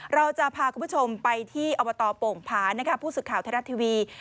เราจะพาคุณผู้ชมไปที่อบตโป่งผาผู้สื่อข่าวไทยรัฐทีวี